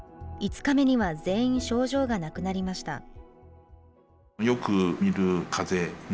５日目には全員症状がなくなりました。